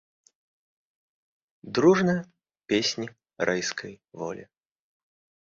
Дружна песні райскай волі!